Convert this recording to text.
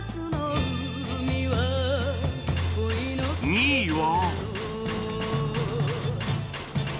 ２位は